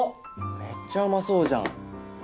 めっちゃうまそうじゃん。